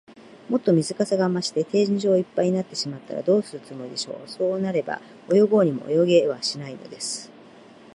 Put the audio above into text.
もっと水かさが増して、天井いっぱいになってしまったら、どうするつもりでしょう。そうなれば、泳ごうにも泳げはしないのです。